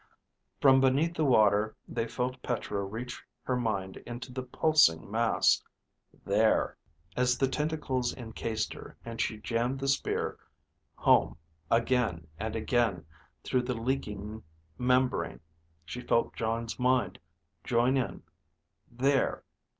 _) (From beneath the water they felt Petra reach her mind into the pulsing mass: There....) (As the tentacles encased her and she jammed the spear home again and again through the leaking membrane, she felt Jon's mind join in: There....)